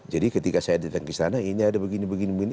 jadi ketika saya ditindak di sana ini ada begini begini begini